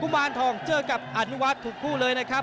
มารทองเจอกับอนุวัฒน์ทุกคู่เลยนะครับ